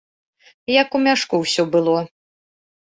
Як у мяшку ўсё было.